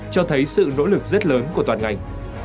cho thấy sự nỗ lực rất lớn của toàn ngành